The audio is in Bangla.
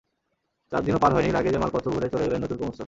চার দিনও পার হয়নি, লাগেজে মালপত্র ভরে চলে গেলেন নতুন কর্মস্থলে।